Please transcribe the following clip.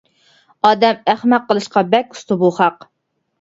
ئادەم ئەخمەق قىلىشقا بەك ئۇستا بۇ خەق!